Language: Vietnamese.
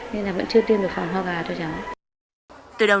nên là vẫn chưa tiêm được phòng ho gà cho cháu